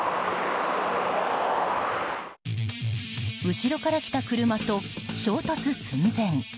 後ろから来た車と衝突寸前。